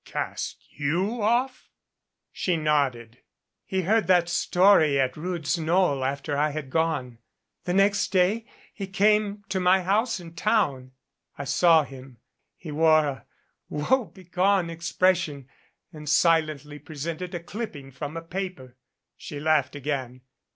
"Cast you off?" She nodded. "He heard that story at Rood's Knoll after I had gone. The next day he came to my house in town. I saw him. He wore a woe begone expression and silently presented a clipping from a paper." She laughed again.